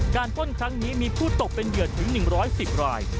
ป้นครั้งนี้มีผู้ตกเป็นเหยื่อถึง๑๑๐ราย